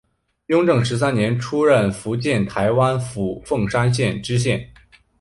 雍正十三年出任福建台湾府凤山县知县。